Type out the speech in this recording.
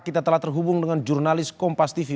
kita telah terhubung dengan jurnalis kompas tv